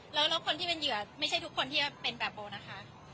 แล้วคนที่เป็นเหยื่อไม่ใช่ทุกคนที่เป็นแบบโบนะคะ